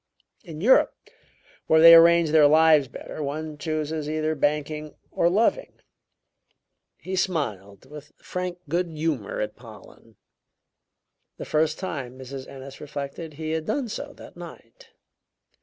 In Europe, where they arrange their lives better, one chooses either banking or 'loving'." He smiled with frank good humor at Pollen; the first time, Mrs. Ennis reflected, he had done so that night.